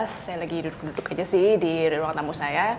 saya lagi duduk duduk aja sih di ruang tamu saya